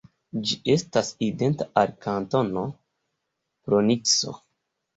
Ĝi estas identa al Kantono Bronkso.